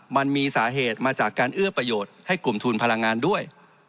มันมีสาเหตุมาจากการเอื้อประโยชน์ให้กลุ่มทุนพลังงานด้วย